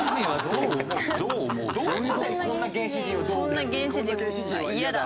こんな原始人は嫌だ。